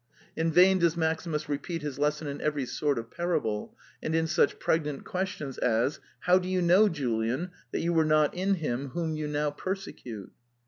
In vain does Maximus repeat his lesson in every sort of parable, and in such pregnant questions as '' How do you know, Julian, that you were not in him whom you now perse cute?"